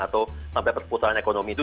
atau sampai perputaran ekonomi itu